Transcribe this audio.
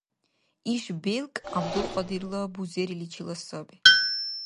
Иш белкӀ ГӀябдулкьадирла бузериличила саби.